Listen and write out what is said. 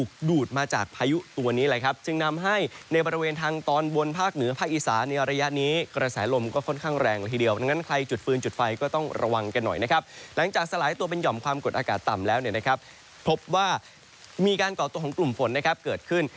กดอากาศต่ำแล้วนะครับพบว่ามีการเกาะตัวของกลุ่มฝนนะครับเกิดขึ้น